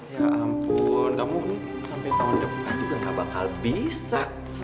ya ampun kamu sampai tahun depan juga gak bakal bisa